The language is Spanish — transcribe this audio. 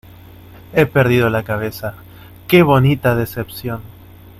He perdido la cabeza, ¡qué bonita decepción!